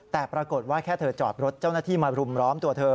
แต่ปรากฏว่าแค่เธอจอดรถเจ้าหน้าที่มารุมร้อมตัวเธอ